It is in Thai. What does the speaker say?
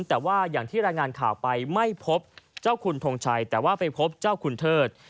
แต่ว่าอย่างที่รายงานข่าวไปไม่พบเจ้าคุณทงชัยแต่ว่าไปพบเจ้าคุณเทิด